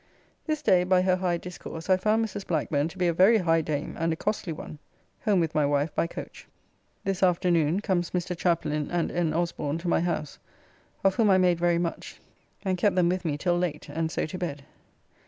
This day by her high discourse I found Mrs. Blackburne to be a very high dame and a costly one. Home with my wife by coach. This afternoon comes Mr. Chaplin and N. Osborn to my house, of whom I made very much, and kept them with me till late, and so to bed.